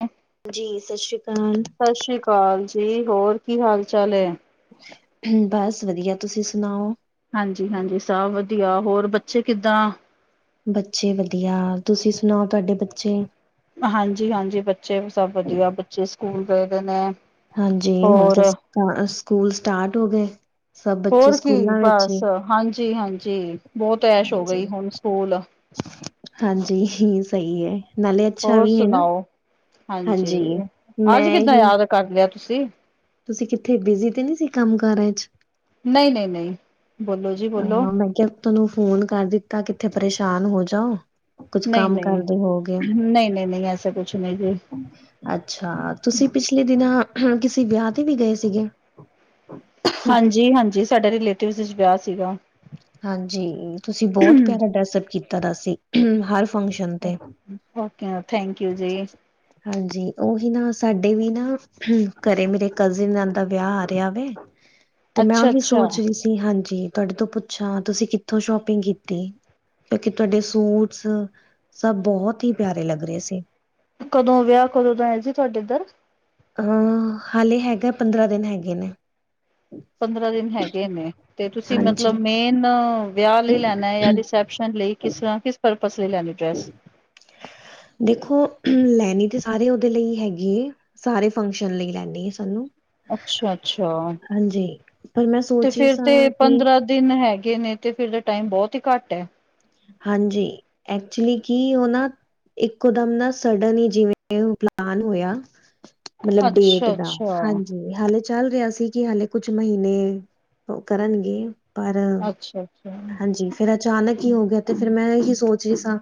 ਆ ਜੀ ਸਤਿ ਸ਼੍ਰੀ ਅਕਾਲ। ਸਤਿ ਸ਼੍ਰੀ ਅਕਾਲ ਜੀ ਹੋਰ ਕੀ ਹਾਲ ਚਾਲ ਐ? ਬਸ ਵਧੀਆ ਤੁਸੀਂ ਸੁਣਾਓ? ਹਾਂਜੀ ਹਾਂਜੀ, ਸਭ ਵਧੀਆ ਹੋਰ ਬੱਚੇ ਕਿੱਦਾਂ ਬੱਚੇ ਵਧੀਆ ਤੁਸੀਂ ਸੁਣਾਓ ਤੁਹਾਡੇ ਬੱਚੇ ਹਾਂਜੀ ਹਾਂਜੀ, ਬੱਚੇ ਸਭ ਵਧੀਆ ਬੱਚੇ ਸਕੂਲ ਗਏ ਦੇ ਨੇ। ਹਾਂਜੀ, ਹੁਣ ਹੋਰ ਤੇ ਸਕੂਲ ਸਟਾਰਟ ਹੋ ਗਏ। ਸਭ ਬੱਚੇ ਹੋਰ ਕੀ ਸਕੂਲਾਂ ਵਿੱਚ ਹੀ ਬਸ ਹਾਂਜੀ ਹਾਂਜੀ ਬਹੁਤ ਐਸ਼ ਹੋ ਗਈ ਹਾਂਜੀ। ਹੁਣ ਸਕੂਲ ਹਾਂਜੀ ਸਹੀ ਐ। ਹੋਰ ਸੁਣਾਓ ਹਾਂਜੀ ਅੱਜ ਮੈਂ ਕਿੱਦਾਂ ਹੀ ਯਾਦ ਕਰ ਲਿਆ ਤੁਸੀਂ ਤੁਸੀਂ ਕਿੱਥੇ ਬਿਜੀ ਤੇ ਨਹੀਂ ਸੀ ਕੰਮ ਕਾਰਾਂ ਚ ਨਹੀਂ ਨਹੀਂ, ਨਹੀਂ ਬੋਲੋ ਜੀ, ਹਾਂ ਮੈਂ ਕਿਹਾ ਤਨੂੰ ਫੋਨ ਕਰ ਦਿੱਤਾ ਕਿੱਥੇ ਪਰੇਸ਼ਾਨ ਹੋ ਜਾਓ। ਕੁੱਝ ਨਹੀਂ ਕੰਮ ਨਹੀਂ, ਕਰਦੇ ਹੋਗੇ ਨਹੀਂ ਨਹੀਂ, ਨਹੀਂ ਐਸਾ ਕੁਛ ਨਹੀਂ ਜੀ। ਅੱਛਾ ਤੁਸੀਂ ਪਿਛਲੇ ਦਿਨਾਂ ਕਿਸੇ ਵਿਆਹ ਤੇ ਵੀ ਗਏ ਸੀਗੇ। ਹਾਂ, ਹਾਂਜੀ ਹਾਂਜੀ ਸਾਡੇ ਰਿਲੇਟਿਵ ਵਿਆਹ ਸੀਗਾ। ਹਾਂਜੀ ਤੁਸੀਂ ਬਹੁਤ ਪਿਆਰਾ ਡਰੈਸਅਪ ਕੀਤਾ ਦਾ ਸੀ ਹਰ ਫੰਕਸ਼ਨ ਤੇ ਓਕੇ ਥੈਂਕ ਯੂ ਜੀ। ਹਾਂਜੀ ਉਹੀ ਨਾ ਸਾਡੇ ਵੀ ਨਾ ਘਰੇ ਮੇਰੇ ਕਜ਼ਿਨ ਨਾਲ ਦਾ ਵਿਆਹ ਆ ਰਿਹਾ ਵਾ। ਤੇ ਮੈਂ ਉਹੀ ਅੱਛਾ-ਅੱਛਾ ਸੋਚ ਰਹੀ ਸੀ ਹਾਂਜੀ ਤੁਹਾਡੇ ਤੋਂ ਪੁੱ ਅੱਛਾ ਤੁਸੀਂ ਕਿੱਥੋਂ ਸ਼ੋਪਿੰਗ ਕੀਤੀ। ਕਿਉਂਕਿ ਤੁਹਾਡੇ ਸੂਟਸ ਸਭ ਬਹੁਤ ਹੀ ਪਿਆਰੇ ਲੱਗ ਰਹੇ ਸੀ ਕਦੋਂ ਵਿਆਹ ਕਦੋਂ ਦਾ ਆਏ ਸੀ ਤੁਹਾਡੇ ਇੱਧਰ ਅ ਹਾਲੇ ਹੈਗਾ ਪੰਦਰਾਂ ਦਿਨ ਹੈਗੇ ਨੇ। ਪੰਦਰਾਂ ਦਿਨ ਹੈਗੇ ਨੇ ਤੇ ਤੁਸੀਂ ਹਾਂਜੀ, ਮਤਲਬ ਮੇਨ ਵਿਆਹ ਲਈ ਲੈਣਾ ਜਾਂ ਰਿਸੈਪ ਲਈ ਕਿਸ ਤਰ੍ਹਾਂ ਕਿਸ ਪਰਪਸ ਲਈ ਲੈਂਦੀ ਡਰੈਸ ਦੇਖੋ ਲੈਣੀ ਤੇ ਸਾਰੇ ਉਹਦੇ ਲਈ ਹੈਗੇ ਹੈ। ਸਾਰੇ ਫੰਕਸ਼ਨ ਲਈ ਲੈਂਦੇ ਆ ਸਾਨੂੰ ਅੱਛਾ ਅੱਛਾ ਹਾਂਜੀ, ਪਰ ਮੈਂ ਤੇ ਸੋਚ ਰਹੀ ਫੇਿਰ ਤੇ ਸਾਂ ਕਿ ਪੰਦਰਾਂ ਦਿਨ ਹੈਗੇ ਨੇ ਤੇ ਫਿਰ ਟਾਈਮ ਬਹੁਤ ਹੀ ਘੱਟ ਹੈ। ਹਾਂਜੀ ਐਕਚੁਲੀ ਕੀ ਹੋ ਨਾ ਇੱਕੋ ਦਮ ਨਾ ਸਡਨ ਹੀ ਜਿਵੇਂ ਪਲਾਨ ਹੋਇਆ। ਮਤਲਬ ਡੇਟ ਦਾ ਅੱਛਾ-ਅੱਛਾ, ਹਾਂਜੀ ਹਾਲੇ ਚੱਲ ਰਿਹਾ ਸੀ ਕਿ ਹਾਲੇ ਕੁਛ ਮਹੀਨੇ ਕਰਨਗੇ ਪਰ ਅੱਛਾ-ਅੱਛਾ ਹਾਂਜੀ ਫਿਰ ਅਚਾਨਕ ਕੀ ਹੋ ਗਿਆ ਤੇ ਫੇਿਰ ਮੈਂ ਇਹੀ ਸੋਚ ਰਹੀ ਸਾਂ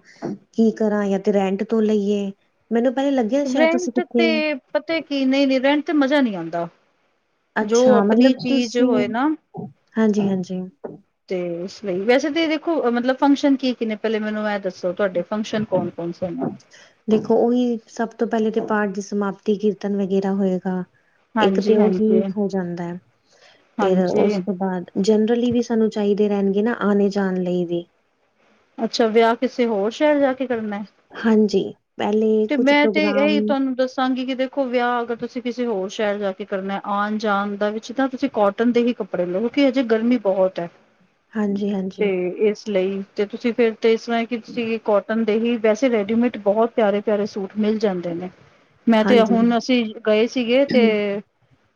ਕੀ ਕਰਾਂ ਜਾਂ ਤੇ ਰੈਂਟ ਤੋਂ ਲਈਏ ਮੈਨੂੰ ਪਹਿਲੇ ਲੱਗਿਆ ਸ਼ਾਇਦ ਤੁਸੀਂ ਰੈਂਟ ਕਿੱਥੇ ਤੇ ਪਤਾ ਕੀ ਨਹੀਂ-ਨਹੀਂ ਰੈਂਟ ਤੇ ਮਜਾ ਨਹੀਂ ਆਉਂਦਾ ਜੋ ਅੱਛਾ, ਆਪਣੀ ਮਤਲਬ ਚੀਜ਼ ਤੁਸੀਂ ਹੋਏ ਨਾ ਹਾਂਜੀ-ਹਾਂਜੀ ਤੇ ਇਸ ਲਈ ਵੈਸੇ ਤੇ ਦੇਖੋ ਮਤਲਬ ਫੰਕਸ਼ਨ ਕੀ ਕੀ ਨੇ ਪਹਿਲੇ ਮੈਨੂੰ ਮੈਂ ਦੱਸੋ ਤੋ ਤੁਹਾਡੇ ਫੰਕਸ਼ਨ ਕੌਣ-ਕੌਣ ਸੇ ਨੇ ਦੇਖੋ ਉਹੀ ਸਭ ਤੋਂ ਪਹਿਲੇ ਤੇ ਪਾਠ ਦੀ ਸਮਾਪਤੀ ਕੀਰਤਨ ਵਗੈਰਾ ਹੋਏਗਾ ਇੱਕ ਤੇ ਹਾਂਜੀ, ਉਹੀ ਹਾਂਜੀ, ਹੋ ਜਾਂਦਾ ਹੈ ਫਿਰ ਹਾਂਜੀ ਉਸ ਤੋਂ ਬਾਅਦ ਜਨਰਲੀ ਵੀ ਸਾਨੂੰ ਚਾਹੀਦੇ ਰਹਿਣਗੇ ਨਾ ਆਣੇ ਜਾਣ ਲਈ ਵੀ ਅੱਛਾ ਵਿਆਹ ਕਿਸੇ ਹੋਰ ਸ਼ਹਿਰ ਜਾ ਕੇ ਕਰਨਾ ਹਾਂਜੀ ਪਹਿਲੇ ਤੇ ਕੁਛ ਮੈਂ ਤੇ ਪ੍ਰੋਗਰਾਮ ਇਹੀ ਤੁਹਾਨੂੰ ਦੱਸਾਂਗੀ ਕਿਤੇ ਖੋ ਵਿਆਹ ਅਗਰ ਤੁਸੀਂ ਕਿਸੇ ਹੋਰ ਸ਼ਹਿਰ ਜਾ ਕੇ ਕਰਨਾ ਆਉਣ ਜਾਣ ਦਾ ਵਿੱਚ ਤਾਂ ਤੁਸੀਂ ਕੋਟ ਕਟਨ ਦੇ ਹੀ ਕੱਪੜੇ ਲਉ ਕਿ ਅਜੇ ਗਰਮੀ ਬਹੁਤ ਹੈ ਹਾਂਜੀ ਤੇ ਹਾਂਜੀ ਇਸ ਲਈ ਤੇ ਤੁਸੀਂ ਫੇਰ ਤੇ ਇਸ ਤਰ ਕੀ ਤੁਸੀਂ ਕੋਟ ਦੇ ਹੀ ਵੈਸੇ ਰੈਡੀਮੇਡ ਬਹੁਤ ਪਿਆਰੇ-ਪਿਆਰੇ ਸੂਟ ਮਿਲ ਜਾਂਦੇ ਨੇ ਮੈਂ ਤੇ ਹਾਂਜੀ ਹੁਣ ਅਸੀਂ ਗਏ ਸੀਗੇ ਤੇ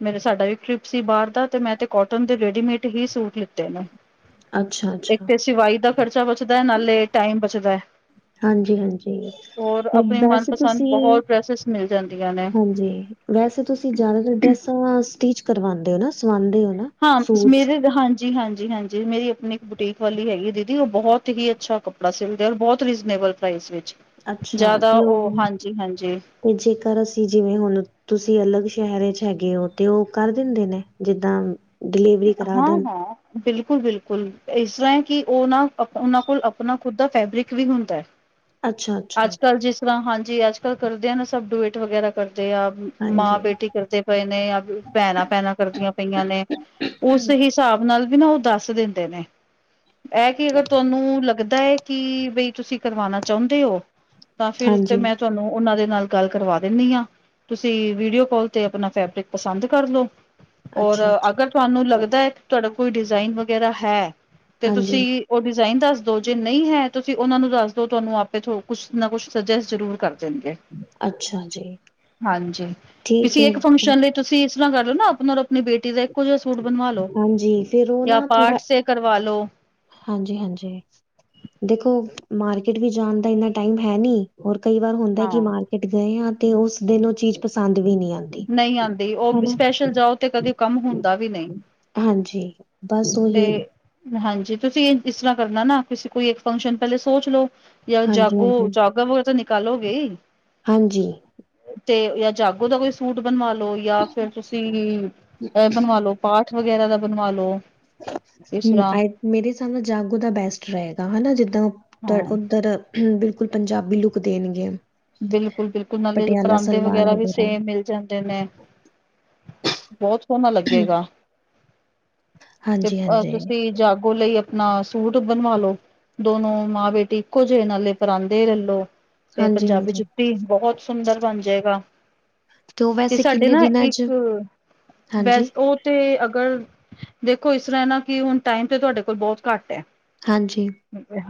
ਮੇਰੇ ਸਾਡਾ ਵੀ ਕ੍ਰਿਪ ਸੀ ਬਾਹਰ ਦਾ ਤੇ ਮੈਂ ਤੇ ਕੋਟਨ ਦੇ ਰੇਡੀਮੇਡ ਹੀ ਸੂਟ ਲਿਤੇ ਨੇ ਅੱਛਾ ਅੱਛਾ ਇੱਕਥੇ ਸਿਵਾਈ ਦਾ ਖ਼ਰਚਾ ਬਚਦਾ ਹੈ ਨਾਲੇ ਟਾਈਮ ਬਚਦਾ ਹੈ ਹਾਂਜੀ-ਹਾਂਜੀ ਔਰ ਆਪਣੇ ਬਸ ਮਨਪਸੰਦ ਤੁਸੀਂ ਬਹੁਤ ਡਰੈਸਿਸ ਮਿਲ ਜਾਂਦੀਆਂ ਨੇ। ਹਾਂਜੀ ਵੈਸੇ ਤੁਸੀਂ ਜ਼ਿਆਦਾਤਰ ਡਰੈਸਾਂ ਸਟਿਚ ਕਰਵਾਉਂਦੇ ਹੋ ਨਾ ਸਵਾਉਂਦੇ ਹੋ ਨਾ ਹਾਂਜੀ ਸੂਟਸ ਮੇਰੇ ਹਾਂਜੀ ਜੀ ਹਾਂਜੀ-ਹਾਂਜੀ ਮੇਰੀ ਆਪਣੀ ਇੱਕ ਬੁਟੀਕ ਵਾਲੀ ਹੈਗੀ ਦੀਦੀ ਉਹ ਬਹੁਤ ਹੀ ਅੱਛਾ ਕੱਪੜਾ ਸਿਲਦੇ ਔਰ ਬਹੁਤ ਰੀਜ਼ਨੇਬਲ ਢਾਇਸੋ ਵਿੱਚ ਅੱਛਾ ਜ਼ਿਆਦਾ ਤੇ ਉਹ ਹਾਂਜੀ-ਹਾਂਜੀ ਤੇ ਜੇਕਰ ਅਸੀਂ ਜਿਵੇਂ ਹੁਣ ਤੁਸੀਂ ਅਲੱਗ ਸ਼ਹਿਰ ਚ ਹੈਗੇ ਹੋ ਤੇ ਉਹ ਕਰ ਦਿੰਦੇ ਨੇ ਜਿੱਦਾਂ ਡਿਲੀਵਰੀ ਕਰਾ ਦੇਣ ਹਾਂ-ਹਾਂ ਬਿਲਕੁਲ ਬਿਲਕੁਲ ਇਸ ਤਰ੍ਹਾਂ ਹੈ ਕਿ ਉਹ ਨਾ ਉਹਨਾਂ ਕੋਲ ਆਪਣਾ ਖੁਦ ਦਾ ਫੈਬਰਿਕ ਵੀ ਹੁੰਦਾ ਹੈ ਅੱਛਾ ਅੱਛਾ ਅੱਜ ਕੱਲ ਜਿਸ ਤਰ੍ਹਾਂ ਹਾਂਜੀ ਅੱਜ ਕੱਲ੍ਹ ਕਰਦੇ ਆ ਨਾ ਸਭ ਡੁਬੇਟ ਵਗੈਰਾ ਕਰਦੇ ਆ ਮਾਂ ਹਾਂਜੀ ਬੇਟੀ ਕਰਦੇ ਪਏ ਨੇ ਭੈਣਾਂ-ਭੈਣਾਂ ਕਰਦੀਆਂ ਪਈਆਂ ਨੇ ਉਸ ਹਿਸਾਬ ਨਾਲ ਵੀ ਨਾ ਉਹ ਦੱਸ ਦਿੰਦੇ ਨੇ ਇਹ ਕਿ ਅਗਰ ਤੁਹਾਨੂੰ ਲੱਗਦਾ ਹੈ ਕਿ ਬਈ ਤੁਸੀਂ ਕਰਵਾਣਾ ਚਾਹੁੰਦੇ ਹੋ ਤਾਂ ਫਿਰ ਤੇ ਹਾਂਜੀ ਮੈਂ ਤੁਹਾਨੂੰ ਉਹਨਾਂ ਦੇ ਨਾਲ ਗੱਲ ਕਰਵਾ ਦਿੰਦੀ ਹਾਂ ਤੁਸੀਂ ਵੀਡੀਓ ਕਾਲ ਤੇ ਆਪਣਾ ਫੈਬਰਿਕ ਪਸੰਦ ਕਰ ਲਓ ਔਰ ਅੱਛਾ ਅੱਛਾ ਅਗਰ ਤੁਹਾਨੂੰ ਲੱਗਦਾ ਹੈ ਤੁਹਾਡਾ ਕੋਈ ਡਿਜ਼ਾਇਨ ਵਗੈਰਾ ਹੈ ਤੇ ਹਾਂਜੀ, ਤੁਸੀਂ ਉਹ ਡਿਜ਼ਾਇਨ ਦੱਸ ਦੋ ਜੇ ਨਹੀਂ ਹੈ ਤੁਸੀਂ ਉਹਨਾ ਨੂੰ ਦੱਸ ਦੋ ਤੁਹਾਨੂੰ ਆਪੇ ਥੋ ਕੁੱਛ ਨਾ ਕੁਛ ਸਜੈਸਟ ਜ਼ਰੂਰ ਕਰ ਦਿੰਦੇ ਅੱਛਾ ਜੀ, ਹਾਂਜੀ ਠੀਕ ਕਿਸੀ ਏ, ਇੱਕ ਫੰਕਸ਼ਨ ਲਈ ਤੁਸੀਂ ਇਸ ਤਰ੍ਹਾਂ ਕਰ ਲਓ ਨਾ ਆਪਣਾ ਔਰ ਆਪਣੀ ਬੇਟੀ ਦਾ ਇੱਕੋ ਜਿਹਾ ਸੂਟ ਬਣਵਾ ਲ ਲੋ ਹਾਂਜੀ ਫੇਰ ਉਹ ਜਾਂ ਨਾ ਥੋੜਾ ਪਾਰਟ ਕਰਵਾਲੋ ਹਾਂਜੀ-ਹਾਂਜੀ ਦੇਖੋ ਮਾਰਕੀਟ ਵੀ ਜਾਣ ਦਾ ਇੰਨਾ ਟਾਈਮ ਹੈ ਨੀ ਹੋਰ ਕਈ ਵਾਰ ਹੁੰਦਾ ਕਿ ਹਾਂ ਮਾਰਕੀਟ ਗਏ ਆ ਤੇ ਉਸ ਦਿਨ ਉਹ ਚੀਜ਼ ਪਸੰਦ ਵੀ ਨਹੀਂ ਆਉਂਦੀ ਨਹੀਂ ਆਉਂਦੀ ਉਹ ਸਪੈਸ਼ਲ ਜਾਓ ਤੇ ਕਦੇ ਕੰਮ ਹੁੰਦਾ ਵੀ ਨਹੀਂ ਹਾਂਜੀ ਬਸ ਤੇ ਓਹੀ ਹਾਂਜੀ ਤੁਸੀਂ ਇਹ ਇਸ ਤਰ੍ਹਾਂ ਕਰਨਾ ਨਾ ਤੁ ਕੋਈ ਇੱਕ ਫੰਕਸ਼ਨ ਪਹਿਲੇ ਸੋਚ ਲਓ ਜਾਂ ਜਾਗੋ, ਹਾਂਜੀ-ਹਾਂਜੀ, ਜਾਗੋ ਵਗ ਤਾਂ ਨਿਕਾਲੋਗੇ। ਹਾਂਜੀ, ਤੇ ਜਾਂ ਜਾਗੋ ਦਾ ਕੋਈ, ਸੂਟ ਬਣਵਾ ਲੋ ਜਾਂ ਫਿਰ ਤੁਸੀਂ ਇਹ ਬਣਵਾ ਲੋ ਪਾਠ ਵਗੈਰਾ ਦਾ ਬਣਵਾ ਲੋ। ਇਸ ਹੂੰ ਤਰ੍ਹਾਂ ਆਈ ਮੇਰੇ ਹਿਸਾਬ ਨਾਲ ਜਾਗੋ ਦਾ ਬੈਸਟ ਰਹੇਗਾ ਹਨਾ, ਜਿੱਦ ਦ ਹਾਂ ਉੱਧਰ ਬਿਲਕੁਲ ਪੰਜਾਬੀ ਲੁੱਕ ਦੇਣਗੇ। ਬਿਲਕੁਲ-ਬਿਲਕੁਲ, ਨਾਲੇ ਪਟਿਆਲਾ ਪਰਾਂਦੇ ਸਲਵਾਰ ਵਗੈਰਾ ਵੀ ਸੇਮ ਮਿਲ ਜਾਂਦੇ ਨੇ। ਬਹੁਤ ਸੋਹਣਾ ਲੱਗੇਗਾ। ਤੇ ਅਹ ਹਾਂਜੀ-ਹਾਂਜੀ, ਤੁਸੀਂ ਜਾਗੋ ਲਈ, ਨਾ ਸੂਟ ਬਣਵਾਲੋ ਦੋਨੋ ਮਾਂ ਬੇਟੀ ਇੱਕੋ ਜਿਹੇ ਨਾਲੇ ਪਰਾਂਦੇ ਰੈਲੋ, ਪੰਜਾਬੀ ਹਾਂਜੀ-ਹਾਂਜੀ ਜੁੱਤੀ ਬਹੁਤ ਸੁੰਦਰ ਬਣ ਜਾਏਗਾ। ਉਹ ਤੇ ਵੈਸੇ ਸਾਡੇ ਕਿੰਨੇ ਨਾ ਦਿਨਾਂ ਚ ਇੱਕ ਹਾਂਜੀ ਬੈਸ ਉਹ ਤੇ ਅਗਰ ਦੇਖੋ ਇਸ ਤਰ੍ਹਾਂ ਨਾ ਕਿ, ਹੁਣ ਟਾਈਮ ਤੇ ਤੁਹਾਡੇ ਕੋਲ ਬਹੁਤ ਘੱਟ ਹੈ। ਹਾਂਜੀ,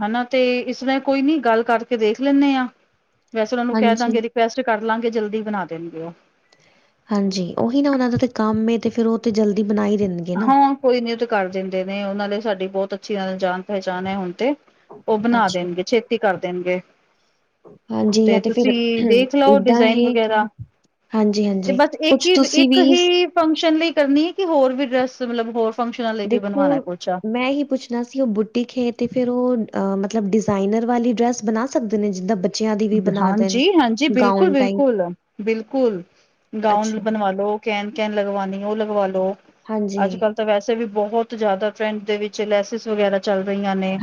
ਹਨਾ, ਤੇ ਇਸਰ੍ਹਾਂ ਕੋਈ ਨੀ ਗੱਲ ਕਰਕੇ ਦੇਖ ਲੈਂਦੇ ਹਾਂ। ਵੈਸੇ ਉਹਨਾ ਨੂੰ ਕਹਿ ਹਾਂਜੀ, ਦਾਂਗੇ, ਰਿਕੁਐਸਟ ਕਰ ਲਾਂਗੇ ਜਲਦੀ ਬਣਾ ਦੇਣਗੇ ਉਹ ਹਾਂਜੀ, ਉਹੀ ਨਾ ਉਹਨਾਂ ਦਾ ਤੇ ਕੰਮ ਤੇ ਫਿਰ ਉਹ ਤੇ ਜਲਦੀ ਬਣਾਈ ਦਿੰਦੇ। ਹਾਂ ਕੋਈ ਨੀ ਉਹ ਤੇ ਕਰ ਦਿੰਦੇ, ਨੇ ਉਹਨਾਂ ਲਈ ਸਾਡੀ ਬਹੁਤ ਅੱਛੀ ਜਾਣ ਪਹਿਚਾਣ ਹੈ, ਹੁਣ ਤੇ ਉਹ ਬਣਾ ਅੱਛਾ। ਦੇਣਗੇ, ਛੇਤੀ ਕਰ ਦੇਣਗੇ। ਹਾਂਜੀ ਤੇ ਜਾਂ ਫਿਰ ਤੁਸੀਂ ਦੇਖ ਲਓ, ਏਦਾਂ ਡਿਜ਼ਾਇਨ ਹੈ ਕਿ ਵਗੈਰਾ ਤੇ ਹਾਂਜੀ-ਹਾਂਜੀ ਬਸ ਇੱਕ ਕੁਛ ਹੀ ਤੁਸੀਂ ਇੱਕ ਵੀ ਹੀ ਫੰਕਸ਼ਨ ਲਈ ਕਰਨੀ ਹੈ, ਕਿ ਹੋਰ ਵੀ ਡਰੈਸ ਮਤਲਬ ਹੋਰ ਫੰਕਸ਼ਨਾਂ ਲਈ ਵੀ ਦੇਖੋ ਬਣਵਾਣਾ ਕੁਛਾ ਮੈਂ ਹੀ ਪੁੱਛ ਜ ਅਸੀਂ ਉਹ ਬੂਟੀੇ ਖੇ ਤੇ ਫਿਰ, ਉਹ ਮਤਲਬ ਡਿਜ਼ਾਇਨਰ ਵਾਲੀ ਡਰੈਸ ਬਣਾ ਸਕਦੇ ਨੇ ਜਿੱਦਾਂ। ਬੱਚਿਆਂ ਦੀ ਵੀ ਬਣਾ ਦੇਣ। ਹਾਂਜੀ-ਹਾਂਜੀ, ਗਾਊਨ ਟਾਈਪ ਬਿਲਕੁਲ-ਬਿਲਕੁਲ-ਬਿਲਕੁਲ। ਗਾਊਨ ਅੱਛਾ ਬਣਵਾ ਲੋ ਕਹਿਣ ਕਹਿਣ ਲਗਵਉਣੀ, ਉਹ ਲਗਵਾ ਲੋ। ਹਾਂਜੀ, ਅੱਜ ਕੱਲ੍ਹ ਤਾਂ ਵੈਸੇ ਵੀ ਬਹੁਤ ਜ਼ਿਆਦਾ ਟਰੈਂਡ ਦੇ ਵਿੱਚ ਲੈਸਿਸ ਵਗੈਰਾ। ਚੱਲ ਰਹੀਆਂ ਨੇ,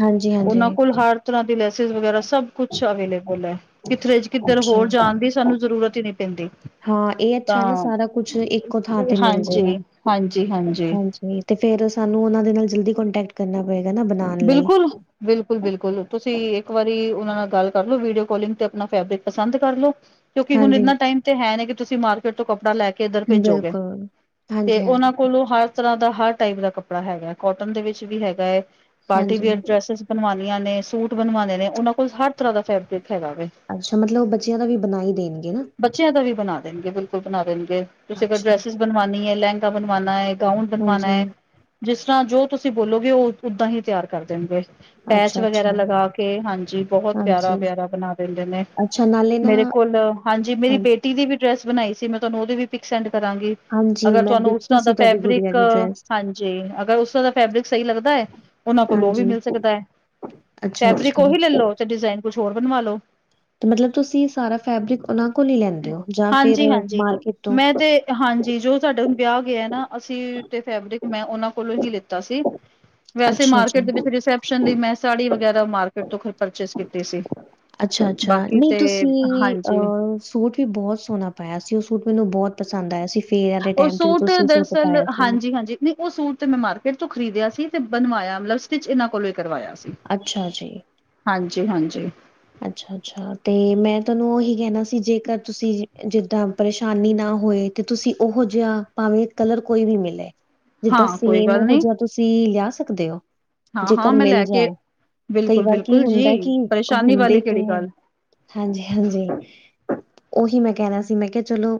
ਉਹਨਾਂ ਹਾਂਜੀ-ਹਾਂਜੀ। ਕੋਲ ਹਰ ਤਰ੍ਹਾਂ ਦੀ ਲੈਸ ਵਗੈਰਾ ਸਭ ਕੁਛ ਅਵੇਲੇਬਲ ਹੈ। ਕਿਥਰੇ ਕਿੱਧਰ, ਅੱਛਾ ਹੋਰ ਜਾਣ ਦੀ, ਸਾਨੂੰ ਜ਼ਰੂਰਤ ਹੀ ਨਹੀਂ ਪੈਂਦੀ। ਹਾਂ, ਇਹ ਅੱਛਾ ਹੈ, ਨਾ ਤਾਂ ਸਾਰਾ ਕੁਛ ਇੱਕੋ ਥਾਂ, ਤੇ ਮਿਲ ਜੇਗਾ, ਹਾਂਜੀ ਹਾਂਜੀ ਹਾਂਜੀ। ਨੀ ਤੇ ਫੇਰ, ਸਾਨੂੰ ਉਹਨਾ ਦੇ ਨਾਲ, ਜਲਦੀ ਕੋਂਟੈਕਟ ਕਰਨਾ ਪਏਗਾ, ਨਾ ਬਣਾ। ਬਿਲਕੁਲ। ਬਿਲਕੁਲ- ਬਿਲਕੁਲ। ਤੁਸੀਂ ਇੱਕ ਵਾਰੀ, ਉਹਨਾਂ ਨਾਲ ਗੱਲ ਕਰ ਲੋ, ਵੀਡੀਓ ਕਾਲਿੰਗ ਤੇ, ਆਪਣਾ ਫੈਬਰਿਕ ਪਸੰਦ ਕਰ ਲੋ। ਕਿਉਂਕਿ ਹੁਣ, ਹਾਂਜੀ, ਇਨਾ ਟਾਈਮ ਤੇ ਹੈ, ਨੀ ਕਿ ਤੁਸੀਂ ਮਾਰਕੀਟ ਤੋਂ ਕੱਪੜ ਲੈ ਕੇ ਕਿੱਧਰ ਭੇਜੋਗੇ, ਬਿਲਕੁਲ। ਤੇ ਹਾਂਜੀ-ਹਾਂਜੀ, ਉਹਨਾਂ ਕੋਲੋਂ ਹਰ ਤਰਾਂ ਦਾ ਹਰ, ਟਾਈਪ ਦਾ ਕੱਪੜਾ ਹੈਗਾ, ਕੋਟਨ ਦੇ ਵਿੱਚ ਵੀ ਹੈਗਾ ਹੈ, ਪਾਰਟੀ ਹਾਂਜੀ, ਵੇਅਰ ਹਾਂਜੀ ਡਰੈਸਿਸ ਬਣਵਾਾਨੀਆਂ ਨੇ, ਸੂਟ ਬਣਵਾਣੇ ਨੇ, ਉਹਨਾਂ ਕੋਲ ਹਰ ਤਰਾਂ ਦਾ ਫੈਬਰਿਕ ਹੈਗਾ ਵੇ। ਅੱਛਾ, ਮਤਲਬ ਉਹ ਬੱਚਿਆਂ, ਦਾ ਵੀ ਬਣਾਈ ਦੇਣਗੇ ਨਾ। ਬੱਚਿਆਂ ਦਾ ਵੀ ਬਣਾ ਦੇਣਗੇ, ਬਿਲਕੁਲ ਬਣਾ ਦੇਣਗੇ, ਤੁਸੀਂ ਅਗਰ ਅੱਛਾ, ਡਰੈਸਿਸ ਬਣਵਾਨੀ ਐ, ਲਹਿੰਗਾ ਬਣਵਾਣਾ ਹੈ। ਗਾਊਂਡ ਬਣਵਾਣਾ ਹੈ, ਹਾਂਜੀ, ਜਿਸ ਤਰਾਂ ਜੋ ਤੁਸੀਂ ਬੋਲੋਗੇ ਉਹ ਉਦਾਂ ਹੀ, ਤਿਆਰ ਕਰ ਦੇਣਗੇ। ਪੈਚ ਵਗੈਰਾ ਅੱਛਾ-ਅੱਛਾ, ਲਗਾ, ਕੇ ਹਾਂਜੀ, ਬਹੁਤ ਪਿਆਰਾ- ਹਾਂਜੀ, ਪਿਆਰਾ ਬਣਾ ਦਿੰਦੇ ਨੇ। ਅੱਛਾ ਨਾਲੇ ਨਾ ਮੇਰੇ ਕੋਲ ਹਾਂਜੀ, ਮੇਰੀ ਹਾਂ- ਬੇਟੀ ਦੀ ਵੀ, ਡਰੈਸ ਬਣਾਈ ਸੀ। ਮੈਂ ਤੁਹਾਨੂੰ ਉਹਦੀ ਵੀ, ਪਿਕ ਸੈਂਡ ਕਰਾਂਗੀ। ਹਾਂਜੀ, ਅਗਰ ਮੈਂ ਤੁਹਾਨੂੰ ਉਸ ਦੇਖੀ ਤਰਾਂ, ਦਾ ਸੀ ਤੁਹਾਡੀ ਗੁੜੀਆ ਫੈਬਰਿਕ ਦੀ ਡਰੈਸ, ਹਾਂਜੀ, ਅਗਰ ਉਸ ਤਰਾਂ ਦਾ, ਫੈਬਰਿਕ ਸਹੀ ਲੱਗਦਾ ਹੈ। ਉਹਨਾਂ ਕੋਲ, ਉਹ ਵੀ ਹਾਂਜੀ, ਮਿਲ ਸਕਦਾ ਹੈ। ਫੈਬਰਿਕ ਅੱਛਾ-ਅੱਛਾ। ਉਹੀ ਲੈ ਲਓੇ, ਡਿਜ਼ਾਇਨ ਕੁਛ ਹੋਰ ਬਣਵਾ ਲਉ। ਮਤਲਬ ਤੁਸੀਂ ਸਾਰਾ, ਫੈਬਰਿਕ ਉਹਨਾਂ ਕੋਲ ਹੀ ਲੈਂਦੇ, ਹੋ ਜਾਂ ਫੇਰ ਹਾਂਜੀ-ਹਾਂਜੀ। ਮਾਰਕੀਟ ਤੋਂ- ਮੈਂ ਤੇ ਹਾਂਜੀ, ਜੋ ਸਾਡਾ ਹੁਣ, ਵਿਆਹ ਗਿਆ ਏ ਨਾ। ਅਸੀਂ ਤੇ ਫੈਬਰਿਕ, ਮੈਂ ਉਹਨਾਂ ਕੋਲੋਂ ਹੀ ਲਿੱਤਾ ਸੀ। ਵੈਸੇ ਅੱਛਾ ਮਾਰਕੀਟ ਜੀ। ਦੇ ਵਿੱਚ ਰਿਸੈਪਸ਼ਨ ਲਈ, ਮੈਂ ਸਾੜੀ ਵਗੈਰਾ, ਮਾਰਕੀਟ ਤੋਂ ਪਰਚੇਜ ਕੀਤੀ ਸੀ। ਅੱਛਾ-ਅੱਛਾ, ਬਾਕੀ ਨਹੀਂ ਤੇ ਤੁਸੀਂ ਹਾਂਜੀ ਅਹ ਸੂਟ ਵੀ, ਬਹੁਤ ਸੋਹਣਾ ਪਾਇਆ ਸੀ। ਉਹ ਸੂਟ ਮੈਨੂੰ ਬਹੁਤ, ਪਸੰਦ ਆਇਆ ਸੀ। ਫੇਅਰ ਦੇ ਉਹ ਟਾਈਮ ਤੇ ਸੂਟ, ਤੁਸੀਂ ਸੂਟ ਦਰਅਲ ਪਾਇਆ ਸੀ। ਹਾਂਜੀ-ਹਾਂਜੀ। ਨਹੀਂ ਉਹ ਸੂਟ, ਤੇ ਮੈਂ ਮਾਰਕੀਟ ਤੋਂ ਖਰੀਦਿਆ ਸੀ। ਤੇ ਬਣਵਾਇਆ, ਮਤਲਬ ਸਟਿਚ ਇਹਨਾਂ ਕੋਲੋਂ ਹੀ, ਕਰਵਾਇਆ ਸੀ। ਅੱਛਾ ਜੀ। ਹਾਂਜੀ-ਹਾਂਜੀ। ਅੱਛਾ-ਅੱਛਾ, ਤੇ ਮੈਂ ਤੁਹਾਨੂੰ ਉਹੀ, ਕਹਿਣਾ ਸੀ, ਜੇਕਰ ਤੁਸੀਂ ਜਿੱਦਾਂ ਪਰੇਸ਼ਾਨੀ ਨਾ ਹੋਏ, ਤੇ ਤੁਸੀਂ ਉਹੋ ਜਿਹਾ, ਭਾਵੇਂ ਕਲਰ ਕੋਈ ਵੀ ਮਿਲੇ। ਜਿੱਦਾਂ ਹਾਂ ਕੋਈ ਸੇਮ, ਗੱਲ ਉਹ ਨਹੀਂ ਜਿਹਾ ਤੁਸੀਂ, ਲਿਆ ਸਕਦੇ ਹੋ। ਹਾਂ-ਹਾਂ ਜੇਕਰ ਮੈਂ ਮਿਲ ਲੈ ਕੇ ਜਾਏ। ਕਈ ਵਾਰ ਕੀ ਬਿਲਕੁਲ-ਬਿਲਕੁਲ ਜੀ ਹੁੰਦਾ ਕਿ, ਪਰੇਸ਼ਾਨੀ ਹੁੰਦੇ ਵਾਲੀ ਕਿਹੜੀ ਤੇ ਗੱਲ ਹਾਂਜੀ- ਹਾਂਜੀ, ਉਹੀ ਮੈਂ ਕਹਿਣਾ ਸੀ। ਮੈਂ ਕਿਹਾ ਚਲੋ।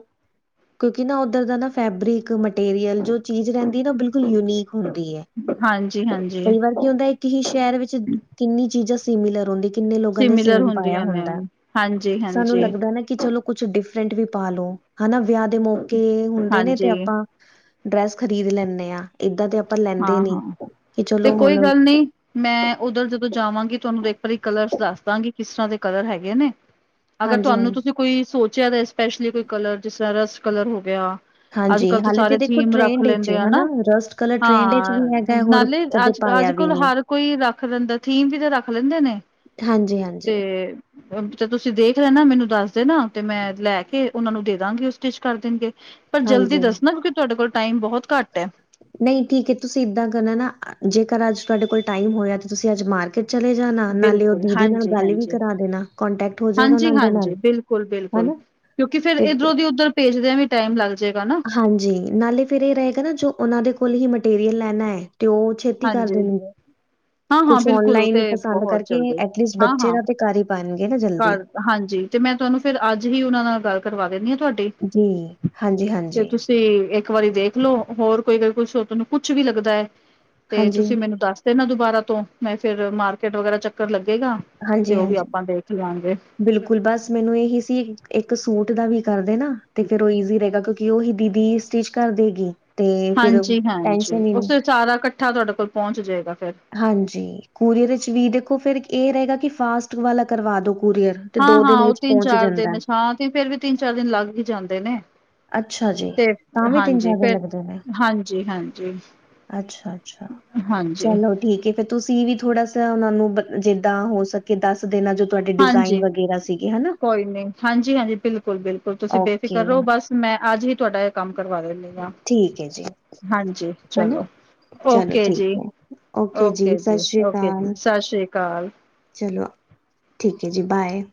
ਕਿਉਂਕਿ ਨਾ, ਉੱਧਰ ਦਾ ਨਾ ਫੈਬਰਿਕ, ਮਟੀਰੀਅਲ ਜੋ ਚੀਜ਼, ਰਹਿੰਦੀ ਹੈ ਨਾ ਉਹ, ਬਿਲਕੁਲ ਯੂਨੀਕ ਹੁੰਦੀ ਹੈ। ਹਾਂਜੀ- ਹਾਂਜੀ। ਕਈ ਵਾਰ ਕੀ ਹੁੰਦਾ, ਇੱਕ ਹੀ ਸ਼ਹਿਰ ਵਿੱਚ, ਕਿੰਨੀ ਚੀਜ਼ਾਂ ਸਿਮੀਲਰ ਹੁੰਦੀ। ਕਿੰਨੇ ਲੋਕਾਂ ਨੇ, ਸਿਮੀਲਰ ਸੇਮ ਪਾਇਆ ਹੁੰਦੀਆਂ ਨੇ ਹੁੰਦਾ। ਸਾਨੂੰ ਹਾਂਜੀ-ਹਾਂਜੀ, ਲੱਗਦਾ ਨਾ ਕਿ ਚਲੋ। ਕੁਛ ਡਿਫਰੈਂਟ ਵੀ ਪਾ ਲੋ। ਹਨਾ, ਵਿਆਹ ਦੇ ਮੌਕੇ ਹੁੰਦੇ ਨੇ ਤੇ, ਹਾਂਜੀ ਆਪਾਂ ਡਰੈਸ ਖ਼ਰੀਦ ਲੈਂਦੇ ਆਂ। ਏਦਾਂ ਤੇ, ਆਪਾਂ ਲੈਂਦੇ ਨੀ ਹਾਂ-ਹਾਂ। ਕਿ, ਤੇ ਚਲੋ ਕੋਈ ਹੁਣ ਗੱਲ ਨਹੀਂ ਮੈਂ ਉਧਰ ਜਦੋਂ ਜਾਵਾਂਗੀ। ਤੁਹਾਨੂੰ ਵੇਥ ਵਾਰੀ ਕਲਰਸ ਦੱਸ ਦਾਂਗੀ। ਕਿਸ ਤਰਾਂ ਦੇ ਕਲਰ ਹੈਗੇ ਨੇ। ਅਗਰ ਹਾਂਜੀ ਤੁਹਾਨੂੰ, ਤੁਸੀਂ ਕੋਈ ਸੋਚਿਆ ਤਾਂ ਸਪੈਸ਼ਲੀ, ਕੋਈ ਕਲਰ ਜਿਸ ਤਰਾਂ, ਰਸਟ ਕਲਰ ਹੋ ਗਿਆ। ਅੱਜ ਹਾਂਜੀ ਕੱਲ ਤਾਂ ਹਾਲੇ ਸਾਰੇ, ਤੇ ਦੇਖੋ ਥੀਮ ਰੱਖ ਟ੍ਰੈਂਡ ਵਿੱਚ ਲੈਂਦੇ ਏ ਆ ਨਾ। ਹਨਾ ਰਸਟ ਕਲਰ ਟ੍ਰੈਂਡ ਵਿੱਚ ਹਾਂ, ਵੀ ਹੈਗਾ ਹੋਰ ਨਾਲੇ ਕਦੇ ਅੱਜ, ਅੱਜ ਪਾਇਆ ਵੀ ਕੋਲ ਨੀ ਹਰ ਕੋਈ ਰੱਖ ਲੈਂਦਾ। ਥੀਮ ਵੀ ਤਾਂ ਰੱਖ ਲੈਂਦੇ ਨੇ। ਹਾਂਜੀ ਤੇ -ਹਾਂਜੀ। ਤੇ ਤੁਸੀਂ ਦੇਖ ਰਹੇ ਨਾ। ਮੈਨੂੰ ਦੱਸ ਦੇਨਾ, ਤੇ ਮੈਂ ਲੈ ਕੇ, ਉਹਨਾਂ ਨੂੰ ਦੇ ਦਾਂਗੀ। ਉਹ ਸਟਿਚ ਕਰ ਦੇਣਗੇ। ਪਰ ਜਲਦੀ ਹਾਂਜੀ ਦੱਸਣਾ। ਕਿਉਂਕਿ ਤੁਹਾਡੇ ਕੋਲ, ਟਾਈਮ ਬਹੁਤ ਘੱਟ ਐ। ਨਹੀਂ ਠੀਕ ਹੈ। ਤੁਸੀਂ ਇੱਦਾਂ ਕਰਨਾ ਨਾ, ਜੇਕਰ ਅੱਜ ਤੁਹਾਡੇ ਕੋਲ ਟਾਈਮ ਹੋਇਆ। ਤੇ ਤੁਸੀਂ ਅੱਜ ਮਾਰ ਕੇ ਚਲੇ ਜਾਣਾ। ਨਾਲੇ ਉਹ ਬਿਲਕੁਲ ਦੀਦੀ ਨਾਲ ਹਾਂਜੀ ਗੱਲ ਵੀ, ਹਾਂਜੀ ਕਰਾ ਦੇਣਾ। ਕੋਂਟੈਕਟ ਹੋ ਜਾਏਗਾ ਉਨਾ ਦੇ ਨਾਲ। ਬਿਲਕੁਲ -ਬਿਲਕੁਲ, ਹਨਾ ਕਿਉਂਕਿ ਫੇਰ ਤੇ ਇੱਧਰੋਂ ਦੀ, ਉੱਧਰ ਭੇਜਦਿਆਂ ਵੀ, ਟਾਈਮ ਲੱਗ ਜਾਏਗਾ ਨਾ। ਹਾਂਜੀ। ਨਾਲੇ ਫੇਰ ਇਹ ਰਹੇਗਾ ਨਾ, ਜੋ ਉਹਨਾਂ ਦੇ ਕੋਲ ਹੀ, ਮਟੀਰੀਅਲ ਲੈਣਾ ਹੈ। ਤੇ ਉਹ ਛੇਤੀ ਕਰ ਹਾਂਜੀ। ਦੇਣਗੇ। ਹਾਂ-ਹਾਂ, ਕੁਛ ਬਿਲਕੁਲ ਉਹ ਔਨਲਾਈਨ ਤੇ ਪਸੰਦ ਬਹੁਤ ਕਰਕੇ। ਜਲਦੀ, ਐਟਲੀਸਟ ਬੱਚੇ ਹਾਂ-ਹਾਂ। ਦਾ ਤਾਂ, ਕਰ ਹੀ ਪਾਣਗੇ ਨਾ ਜਲਦੀ। ਘਰ ਹਾਂਜੀ ਤੇ ਮੈਂ ਤੁਹਾਨੂੰ ਫੇਰ ਅੱਜ ਹੀ ਉਹਨਾਂ ਨਾਲ ਗੱਲ ਕਰਵਾ ਦਿੰਦੀ ਹਾਂ ਤੁਹਾਡੀ ਜੀ ਹਾਂਜੀ- ਹਾਂਜੀ ਤੇ ਤੁਸੀਂ ਇੱਕ ਵਾਰੀ ਦੇਖ ਲਓ ਹੋਰ ਕੋਈ ਕੁਛ ਤੁਹਾਨੂੰ ਕੁਛ ਵੀ ਲੱਗਦਾ ਹੈ ਤੇ ਹਾਂਜੀ ਤੁਸੀਂ ਮੈਨੂੰ ਦੱਸ ਤੇ ਨਾ ਦੁਬਾਰਾ ਤੋਂ ਮੈਂ ਫੇਰ ਮਾਰਕੀਟ ਵਗੈਰਾ ਚੱਕਰ ਲੱਗੇਗਾ। ਤੇ ਹਾਂਜੀ ਉਹ ਵੀ -ਹਾਂਜੀ ਆਪਾਂ ਦੇਖ ਲਾਂਗੇ, ਬਿਲਕੁਲ ਬਸ ਮੈਨੂੰ ਇਹੀ ਸੀ ਇੱਕ ਸੂਟ ਦਾ ਵੀ ਕਰਦੇ ਨਾ ਤੇ ਫੇਰ ਉਹ ਈਜ਼ੀ ਰਹੇਗਾ ਕਿਉਂਕਿ ਉਹਹੀ ਦੀਦੀ ਸਟਿਚ ਕਰ ਦੇਗੀ। ਤੇ ਫਿਰ ਹਾਂਜੀ -ਹਾਂਜੀ ਟੈਨਸ਼ਨ ਹੀ ਉਹ ਨਹੀਂ ਸਾਰਾ ਇਕੱਠਾ ਤੁਹਾਡੇ ਕੋਲ ਪਹੁੰਚ ਜਾਏਗਾ ਫਿਰ ਹਾਂਜੀ ਕੋਰੀਅਰ ਵਿੱਚ ਵੀ ਦੇਖੋ ਫਿਰ ਇਹ ਰਹੇਗਾ ਕਿ ਫਾਸਟ ਵਾਲਾ ਕਰਵਾ ਦੋ ਕੋਰੀਅਰ ਹਾਂ-ਹਾਂ ਉਹ ਤਿੰਨ ਚਾਰ ਦਿਨ ਛਾਂ ਤੇ ਫੇਰ ਵੀ ਤਿੰਨ ਚਾਰ ਦਿਨ ਲੱਗ ਹੀ ਜਾਂਦੇ ਨੇ। ਅੱਛਾ ਜੀ ਤੇ ਤਾਂ ਵੀ ਤਿੰਨ ਹਾਂਜੀ ਚਾਰ ਦਿਨ ਫਿਰ ਹਾਂਜੀ-ਹਾਂਜੀ ਅੱਛਾ-ਅੱਛਾ ਹਾਂਜੀ। ਚਲੋ ਠੀਕ ਹੈ। ਫਿਰ ਤੁਸੀਂ ਵੀ ਥੋੜਾ ਸਾ ਉਹ ਨੂੰ ਜਿੱਦਾਂ ਹੋ ਸਕੇ ਦੱਸ ਦੇਨਾ ਜਦੋ ਹਾਂਜੀ ਕੋਈ ਨਹੀਂ ਹਾਂਜੀ-ਹਾਂਜੀ ਬਿਲਕੁਲ- ਬਿਲਕੁਲ ਤੁਸੀਂ ਓਕੇ ਬੇਫਿਕਰ ਰਹੋ ਬਸ ਮੈਂ ਅੱਜ ਹੀ ਤੁਹਾਡਾ ਇਹ ਕੰਮ ਕਰਵਾ ਦਿੰਦੀ ਹਾਂ ਠੀਕ ਹੈ ਜੀ ਹਾਂਜੀ ਹਨਾ ਚਲੋ। ਚਲੋ ਓਕੇ ਠੀਕ ਹੈ ਓਕੇ ਜੀ ਜੀ-ਓਕੇ ਸਤਿ ਸ਼੍ਰੀ ਜੀ-ਓਕੇ ਜੀ ਅਕਾਲ ਸਤਿ ਸ੍ਰੀ ਅਕਾਲ ਜੀ। ਚਲੋ ਠੀਕ ਹੈ ਜੀ ਬਾਏ।